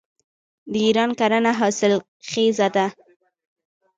د ایران کرنه حاصلخیزه ده.